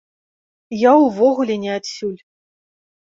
Я ўвогуле не адсюль.